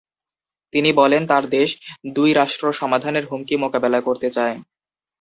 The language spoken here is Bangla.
তিনি বলেন, তার দেশ দুই-রাষ্ট্র সমাধানের হুমকি মোকাবেলা করতে চায়।